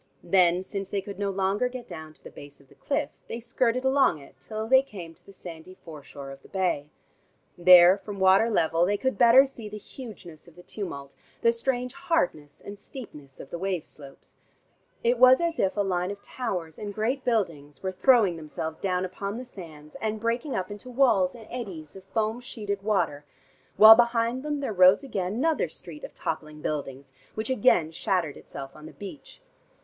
Then, since they could no longer get down to the base of the cliff, they skirted along it till they came to the sandy foreshore of the bay. There from water level they could better see the hugeness of the tumult, the strange hardness and steepness of the wave slopes. It was as if a line of towers and great buildings were throwing themselves down upon the sands, and breaking up into walls and eddies of foam sheeted water, while behind them there rose again another street of toppling buildings, which again shattered itself on the beach.